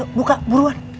ayo buka buruan